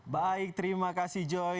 baik terima kasih joy